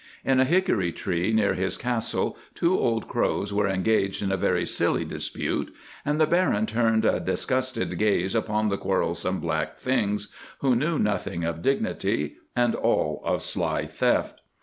In a hickory tree near his castle two old crows were engaged in a very silly dispute, and the Baron turned a disgusted gaze upon the quarrelsome black things, who knew nothing of dignity, and all of sly theft.